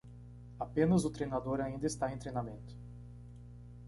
Apenas o treinador ainda está em treinamento